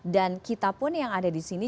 dan kita pun yang ada di sini